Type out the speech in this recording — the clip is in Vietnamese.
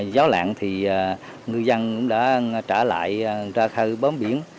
gió lạng thì ngư dân cũng đã trả lại ra khơi bám biển